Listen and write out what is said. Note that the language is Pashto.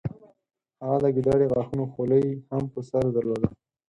هغه د ګیدړې غاښونو خولۍ هم په سر درلوده.